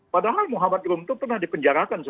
padahal muhammad rum itu pernah dipenjarakan